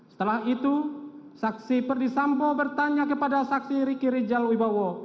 setelah itu saksi perdisambo bertanya kepada saksi ricky rijal wibowo